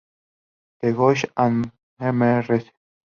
The Ghost and Mrs.